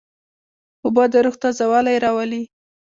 اوبه د روح تازهوالی راولي.